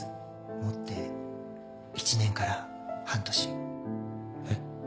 持って１年から半年。え。